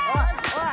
おい。